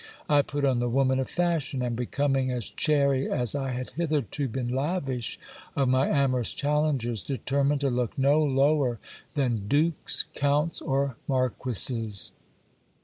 I put on the woman of fashion ; and becoming as chary as I had hitherto been lavish of my amorous challengers, determined to look no lower than dukes, counts, or marquises.